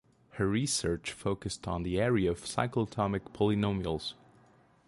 Her research focused on the area of cyclotomic polynomials.